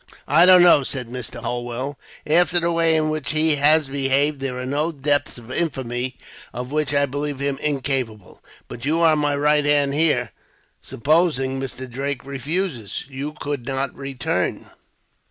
"I don't know," said Mr. Holwell. "After the way in which he has behaved, there are no depths of infamy of which I believe him incapable. But you are my right hand here. Supposing Mr. Drake refuses, you could not return."